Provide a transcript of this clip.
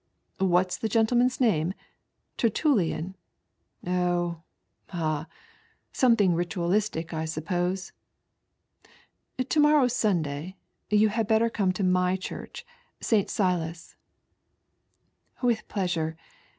"What's the gentleman's name? Tertnllian ? Oh, ah, something ritualistic I suppose. To morrow's Sunday : yoii had better come to my chorch, St. Silas." "With pleasure.